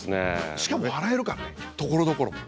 しかも笑えるからねところどころ。